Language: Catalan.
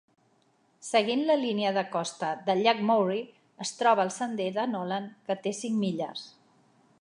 Seguint la línia de costa del llac Maury, es troba el sender de Noland, que té cinc milles.